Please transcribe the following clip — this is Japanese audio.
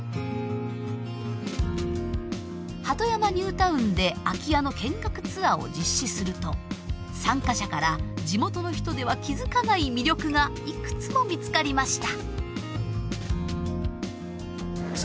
鳩山ニュータウンで空き家の見学ツアーを実施すると参加者から地元の人では気付かない魅力がいくつも見つかりました。